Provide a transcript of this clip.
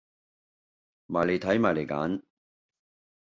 埋嚟睇，埋嚟揀